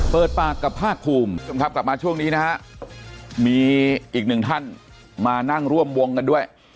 เปิดปากกับภาคภูมิครับกลับมาช่วงนี้นะฮะมีอีกหนึ่งท่านมานั่งร่วมวงกันด้วย